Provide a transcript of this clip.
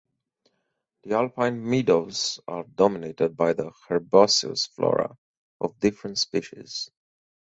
The alpine meadows are dominated by the herbaceous flora of different species.